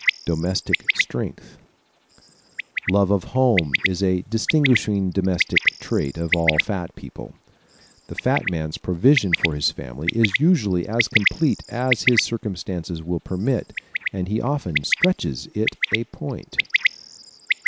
Domestic Strength ¶ Love of home is a distinguishing domestic trait of all fat people. The fat man's provision for his family is usually as complete as his circumstances will permit and he often stretches it a point.